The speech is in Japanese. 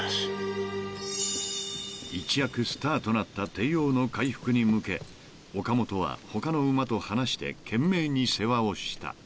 ［一躍スターとなったテイオーの回復に向け岡元は他の馬と離して懸命に世話をした］